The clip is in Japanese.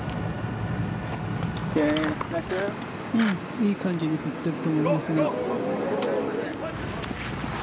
いい感じに振っていると思いますね。